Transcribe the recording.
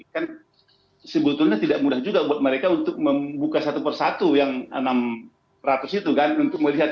kan sebetulnya tidak mudah juga buat mereka untuk membuka satu persatu yang enam ratus itu kan untuk melihat